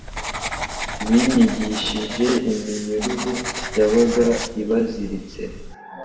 binigishije iminyururu yabaga ibaziritse.